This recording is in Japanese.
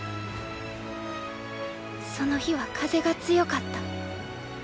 その日は風が強かった。